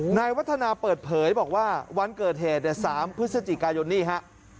นายวัฒนาเปิดเผยบอกว่าวันเกิดแห่นสพมพมนี่ฮะ